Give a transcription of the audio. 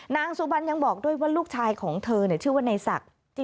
นางสุบันยังบอกด้วยว่าลูกชายของเธอชื่อว่าในศักดิ์